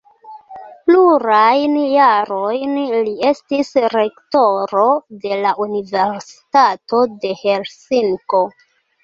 Plurajn jarojn li estis rektoro de la Universitato de Helsinko.